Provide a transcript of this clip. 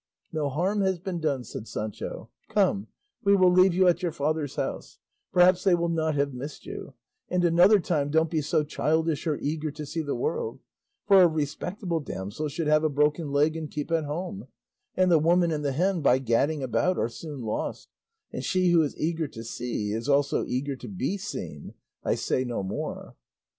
"No harm has been done," said Sancho; "come, we will leave you at your father's house; perhaps they will not have missed you; and another time don't be so childish or eager to see the world; for a respectable damsel should have a broken leg and keep at home; and the woman and the hen by gadding about are soon lost; and she who is eager to see is also eager to be seen; I say no more."